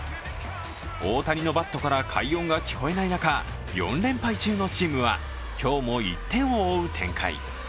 大谷のバットから快音が聞こえない中、４連敗中のチームは今日も１点を追う展開。